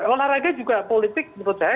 olahraga juga politik menurut saya